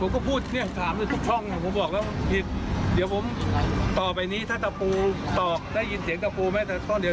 ก็บอกเลยไม่ต้องเหตุการณ์อย่างนี้